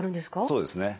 そうですね。